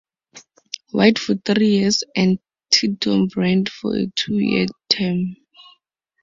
White for three years and Theodore Brent for a two-year term.